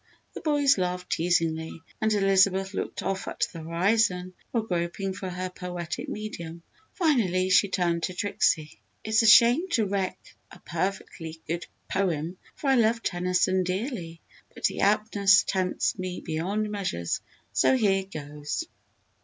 The boys laughed teasingly and Elizabeth looked off at the horizon while groping for her poetic medium. Finally, she turned to Trixie. "It's a shame to wreck a perfectly good poem for I love Tennyson dearly, but the aptness tempts me beyond measure, so here goes!"